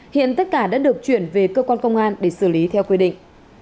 hiện tất cả đã được chuyển về cơ quan công an để xử lý theo quy định